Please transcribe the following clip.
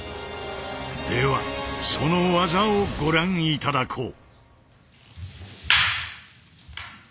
ではその技をご覧頂こう。